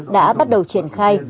đã bắt đầu triển khai